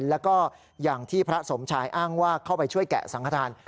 แล้วก็อย่างที่พระสมชายอ้างว่าเข้าไปช่วยแกะสังฆฐาน